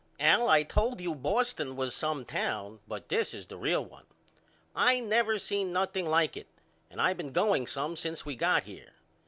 Al I told you Boston was some town but this is the real one. I never seen nothing like it and I been going some since we got here.